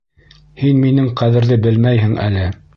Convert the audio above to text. Һин минең ҡәҙерҙе белмәйһең әле!